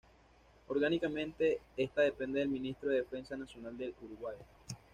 Orgánicamente, esta depende del Ministro de Defensa Nacional del Uruguay.